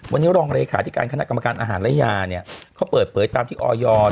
วันนี้รองเลขาธิการคณะกรรมการอาหารและยาเนี่ยเขาเปิดเผยตามที่ออย